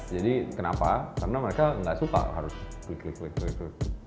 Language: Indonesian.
jadi kenapa karena mereka gak suka harus klik klik klik klik klik